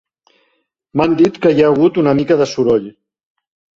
M'han dit que hi ha hagut una mica de soroll